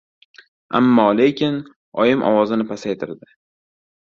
— Ammo-lekin... — Oyim ovozini pasaytirdi.